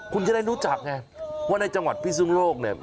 คุณจะได้รู้จักไงว่าในจังหวัดพิสุนโลกเนี่ย